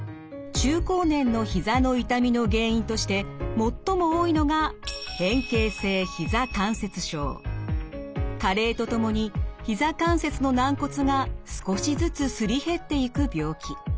中高年のひざの痛みの原因として最も多いのが加齢とともにひざ関節の軟骨が少しずつすり減っていく病気。